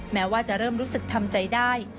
แม้ว่าจะเริ่มรู้สึกทำใจได้